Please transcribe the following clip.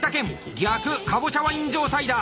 逆「かぼちゃワイン」状態だ！